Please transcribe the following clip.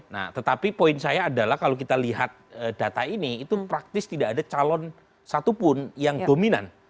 nah tetapi poin saya adalah kalau kita lihat data ini itu praktis tidak ada calon satupun yang dominan